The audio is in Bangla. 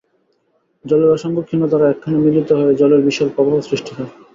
জলের অসংখ্য ক্ষীণধারা একখানে মিলিত হয়ে জলের বিশাল প্রবাহ সৃষ্টি হয়।